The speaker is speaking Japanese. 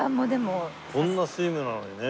こんなスリムなのにね。